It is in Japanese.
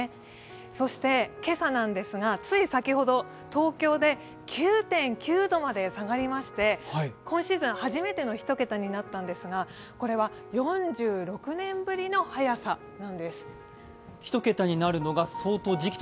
そして今朝、つい先ほど東京で９．９度まで下がりまして、今シーズン初めての１桁になったんですが、これは４６年ぶりの早さなんです。